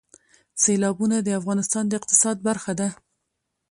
سیلابونه د افغانستان د اقتصاد برخه ده.